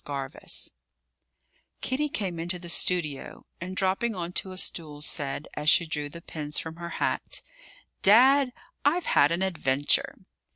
HARTLEY KITTY came into the studio and, dropping on to a stool, said, as she drew the pins from her hat: "Dad, I've had an adventure."